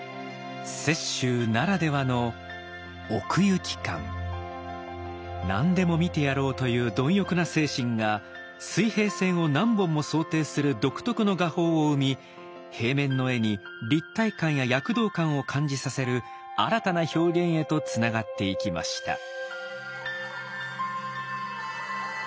雪舟ならではの「何でも見てやろう」という貪欲な精神が水平線を何本も想定する独特の画法を生み平面の絵に立体感や躍動感を感じさせる新たな表現へとつながっていきました。